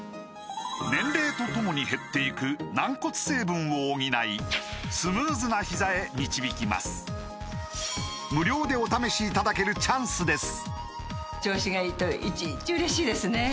年齢とともに減っていく軟骨成分を補いスムーズなひざへ導きます無料でお試しいただけるチャンスです